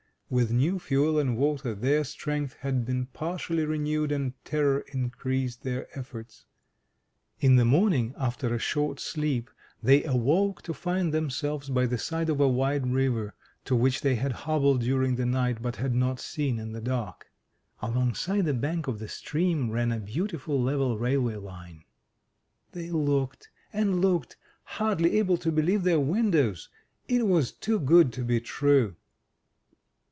With new fuel and water their strength had been partially renewed, and terror increased their efforts. In the morning, after a short sleep, they awoke to find them selves by the side of a wide river, to which they had hobbled during the night, but had not seen in the dark. Alongside the bank of the stream ran a beautiful level railway line. They looked and looked, hardly able to believe their windows. It was too good to be true!